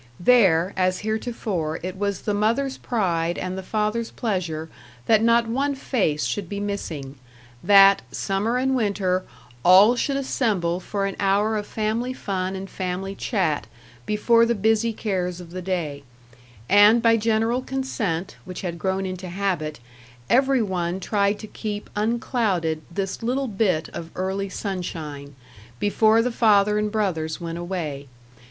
There, as heretofore, it was the mother's pride and the father's pleasure that not one face should be missing that, summer and winter, all should assemble for an hour of family fun and family chat, before the busy cares of the day; and by general consent, which had grown into habit, every one tried to keep unclouded this little bit of early sunshine, before the father and brothers went away.